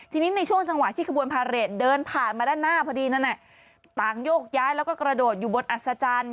ทีนี้ในช่วงจังหวะที่ขบวนพาเรทเดินผ่านมาด้านหน้าพอดีนั่นน่ะต่างโยกย้ายแล้วก็กระโดดอยู่บนอัศจรรย์